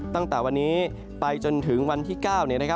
ตั้งแต่วันนี้ไปจนถึงวันที่๙